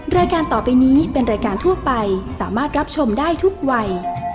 รายการต่อไปนี้เป็นรายการทั่วไปสามารถรับชมได้ทุกวัย